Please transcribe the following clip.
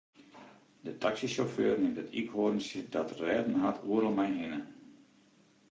De taksysjauffeur nimt it iikhoarntsje dat er rêden hat oeral mei hinne.